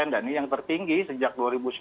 dan ini yang tertinggi sejak dua ribu sembilan belas